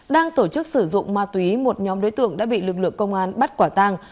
đang tổ chức sử dụng ma túy một nhóm đối tượng đã bị lực lượng công an bắt quả tang